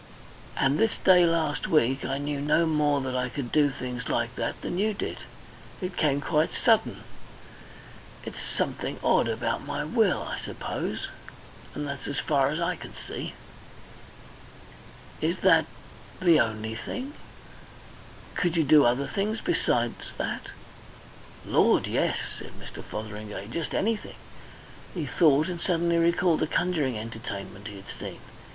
"And this day last week I knew no more that I could do things like that than you did. It came quite sudden. It's something odd about my will, I suppose, and that's as far as I can see." "Is that the only thing. Could you do other things besides that?" "Lord, yes!" said Mr. Fotheringay. "Just anything." He thought, and suddenly recalled a conjuring entertainment he had seen.